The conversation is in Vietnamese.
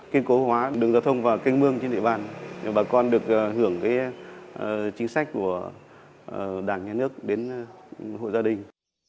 kiên cố hóa đường giao thông và canh mương trên địa bàn để bà con được hưởng chính sách của đảng nhà nước đến hội gia đình